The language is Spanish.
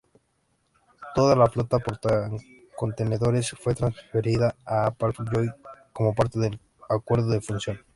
Toda la flota portacontenedores fue transferida a Hapag-Lloyd como parte del acuerdo de fusión.